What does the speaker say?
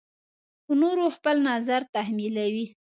په نورو خپل نظر تحمیلوي.